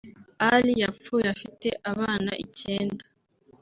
Ali yapfuye afite abana icyenda